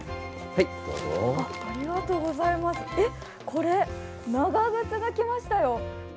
えっ、これ、長靴が来ましたよ。